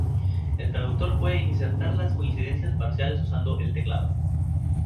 El traductor puede insertar las coincidencias parciales usando el teclado.